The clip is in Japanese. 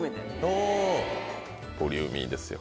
ボリューミーですよ